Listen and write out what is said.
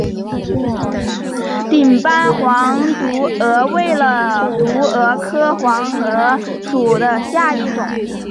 顶斑黄毒蛾为毒蛾科黄毒蛾属下的一个种。